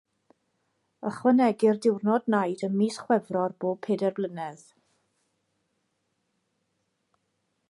Ychwanegir diwrnod naid ym mis Chwefror bob pedair blynedd.